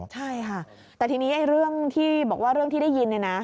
ใช่ค่ะแต่ทีนี้เรื่องที่บอกว่าเรื่องที่ได้ยินเนี่ยนะ